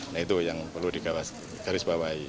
nah itu yang perlu digarisbawahi